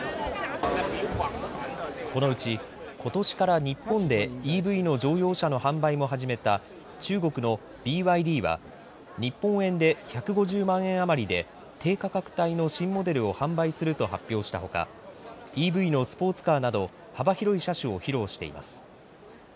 このうち、ことしから日本でＥＶの乗用車の販売も始めた中国のＢＹＤは日本円で１５０万円余りで低価格帯の新モデルを販売すると発表したほかＥＶのスポーツカーなど幅広い車種を披露しています。